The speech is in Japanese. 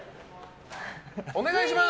お願いします！